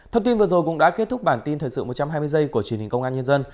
thông tin vừa rồi cũng đã kết thúc bản tin thời sự một trăm hai mươi giây của truyền hình công an nhân dân